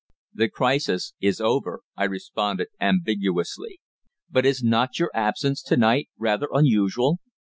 "The crisis is over," I responded ambiguously. "But is not your absence to night rather unusual?"